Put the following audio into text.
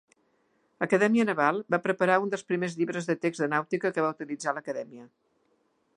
Acadèmia Naval, va preparar un dels primers llibres de text de nàutica que va utilitzar l'Acadèmia.